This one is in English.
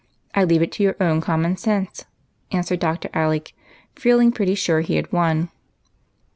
I leave it to your own common sense," answered Dr. Alec, feeling pretty sure he had won.